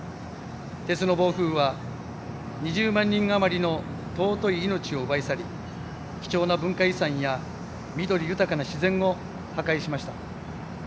鉄の暴風は２０万人余りの尊い命を奪い去り貴重な文化遺産や緑豊かな自然を破壊しました。